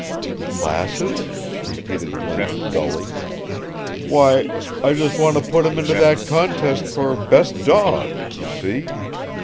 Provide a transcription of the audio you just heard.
"Classes?" repeated Link dully. "Why, I just want to put him into that contest for 'best dawg,' you see.